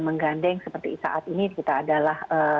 menggandeng seperti saat ini kita adalah